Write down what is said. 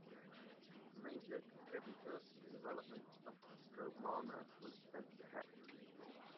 A major contributor to the development of Dromana was Spencer Jackson.